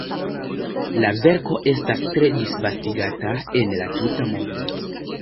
La verko estas tre disvastigata en la tuta mondo.